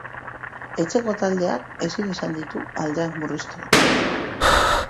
Etxeko taldeak ezin izan ditu aldeak murriztu.